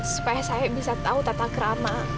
supaya saya bisa tahu tata kerama